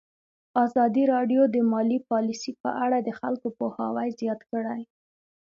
ازادي راډیو د مالي پالیسي په اړه د خلکو پوهاوی زیات کړی.